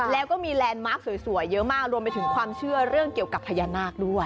แล้วก็มีแลนด์มาร์คสวยเยอะมากรวมไปถึงความเชื่อเรื่องเกี่ยวกับพญานาคด้วย